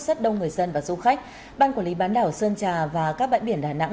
rất đông người dân và du khách ban quản lý bán đảo sơn trà và các bãi biển đà nẵng